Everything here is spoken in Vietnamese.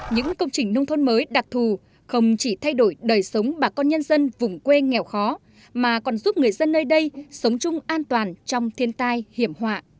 những công trình nông thôn mới đặc thù không chỉ thay đổi đời sống bà con nhân dân vùng quê nghèo khó mà còn giúp người dân nơi đây sống chung an toàn trong thiên tai hiểm họa